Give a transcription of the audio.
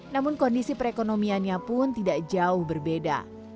namun kondisi perekonomiannya pun tidak jauh berbeda